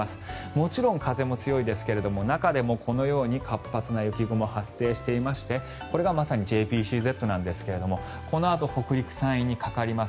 もちろん風も強いですけれども中でもこのように活発な雪雲が発生していましてこれがまさにＪＰＣＺなんですがこのあと北陸、山陰にかかります。